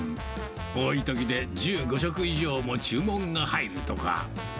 多いときで１５食以上も注文が入るとか。